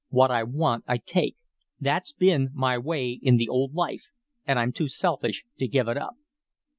What I want, I take. That's been my way in the old life, and I'm too selfish to give it up."